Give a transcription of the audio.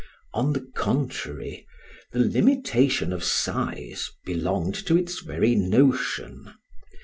On the contrary, the limitation of size belonged to its very notion.